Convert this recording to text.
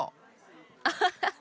アハハッ！